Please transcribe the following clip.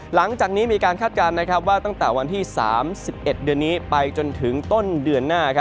หลังจากนี้มีการคาดการณ์ว่าตั้งแต่วันที่๓๑เดือนนี้ไปจนถึงต้นเดือนหน้า